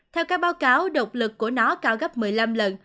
theo các báo cáo độc lực của nó cao gấp một mươi năm lần